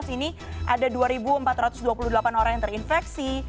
ini ada dua empat ratus dua puluh delapan orang yang terinfeksi